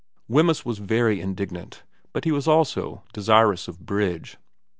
Wemyss was very indignant, but he was also very desirous of bridge.